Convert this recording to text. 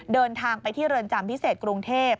เดินทางไปที่เรือนจำพิเศษกรุงเทพ